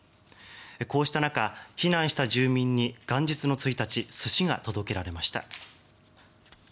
こうした中避難した住民に元日の１日寿司が届けられました。